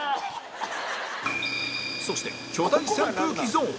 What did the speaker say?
そして巨大扇風機ゾーン